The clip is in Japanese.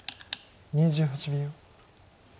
２８秒。